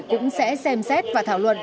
cũng sẽ xem xét và thảo luận